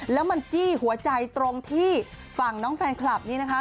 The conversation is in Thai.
แล้วมันจี้หัวใจตรงที่ฝั่งน้องแฟนคลับนี้นะคะ